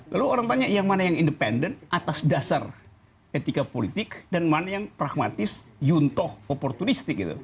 lalu orang tanya yang mana yang independen atas dasar etika politik dan mana yang pragmatis yuntoh oportunistik gitu